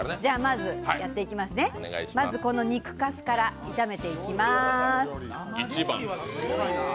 まず肉かすから炒めていきます。